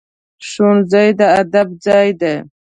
ښوونځی د ادب ځای دی